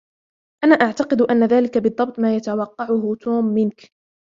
أنا أعتقد أن ذلك بالضبط ما يتوقعه توم منك.